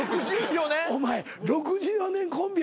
お前６４年コンビやって。